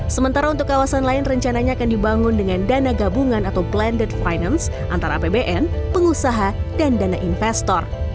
sementara untuk kawasan lain rencananya akan dibangun dengan dana gabungan atau blended finance antara apbn pengusaha dan dana investor